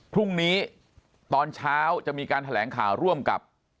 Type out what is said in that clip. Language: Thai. พรุ่งนี้ตอนเช้าจะมีการแถลงข่าวร่วมกับ